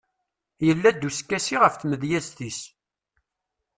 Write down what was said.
yella-d uskasi ɣef tmedyazt-is